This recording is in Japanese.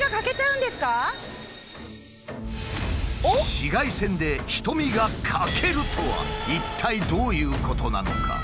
紫外線で瞳が欠けるとは一体どういうことなのか？